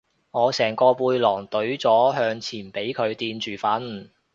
我成個背囊隊咗向前俾佢墊住瞓